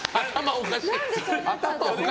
おかしい。